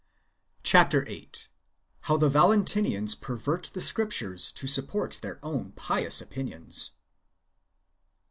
Chap. viii. — How the Valentinians j^ervert the Scriptures to support their own impious opinions.